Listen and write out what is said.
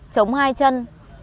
chống hai chân